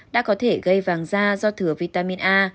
đã có thể gây vàng da do thừa vitamin a